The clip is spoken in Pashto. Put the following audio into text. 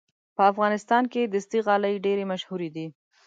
په افغانستان کې دستي غالۍ ډېرې مشهورې دي.